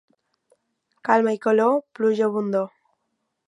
Calma i calor, pluja abundor.